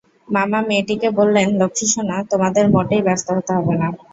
মামা মেয়েটিকে বললেন, লক্ষ্মী সোনা, তোমাদের মোটেই ব্যস্ত হতে হবে না।